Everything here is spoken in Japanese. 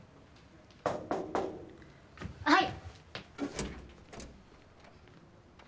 はい。